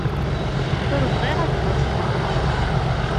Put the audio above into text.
Ur bɣiɣ ad ttwassneɣ.